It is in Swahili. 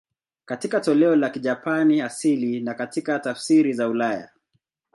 Katika toleo la Kijapani asili na katika tafsiri za ulaya.